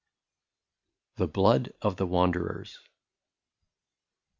114 THE BLOOD OF THE WANDERERS.